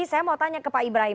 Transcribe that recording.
saya mau tanya ke pak ibrahim